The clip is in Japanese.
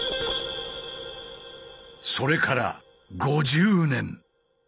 それから５０年。